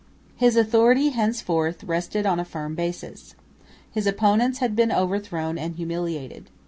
His authority henceforth rested on a firm basis. His opponents had been overthrown and humiliated.